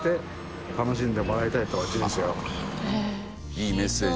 いいメッセージ。